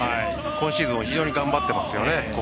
今シーズンも非常に頑張っていますよね。